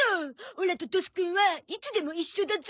オラとドスくんはいつでも一緒だゾ。